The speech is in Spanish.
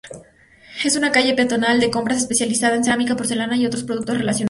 Es una calle peatonal de compras especializada en cerámica, porcelana y otros productos relacionados.